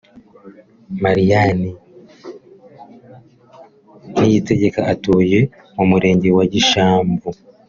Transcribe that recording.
Mariane Niyitegeka utuye mu murenge wa Gishamvu